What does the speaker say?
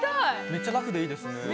めっちゃラフでいいですね。